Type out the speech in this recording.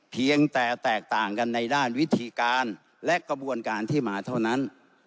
เพียงแต่แตกต่างกันในด้านวิธีการและกระบวนการที่มาเท่านั้น